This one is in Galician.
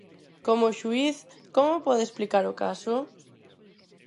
Como xuíz, como pode explicar o caso?